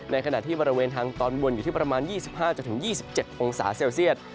ขณะที่บริเวณทางตอนบนอยู่ที่ประมาณ๒๕๒๗องศาเซลเซียต